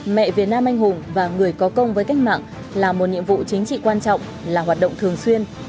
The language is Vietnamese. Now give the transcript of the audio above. mẹ việt nam anh hùng và người có công với cách mạng là một nhiệm vụ chính trị quan trọng là hoạt động thường xuyên